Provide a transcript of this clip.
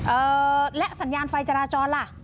เอ่อและสัญญาณไฟจราจรล่ะ